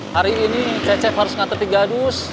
hari ini cecep harus ngantar di gandus